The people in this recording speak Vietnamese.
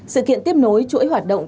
sự kiện tiếp nối chuỗi hoạt động